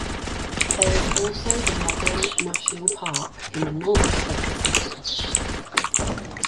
There is also the modern National Park in the north of the city.